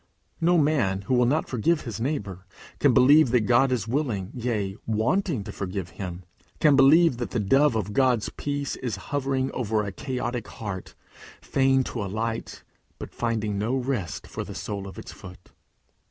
No man who will not forgive his neighbour, can believe that God is willing, yea, wanting to forgive him, can believe that the dove of God's peace is hovering over a chaotic heart, fain to alight, but finding no rest for the sole of its foot.